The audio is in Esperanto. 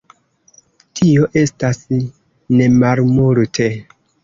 Tio estas nemalmulte.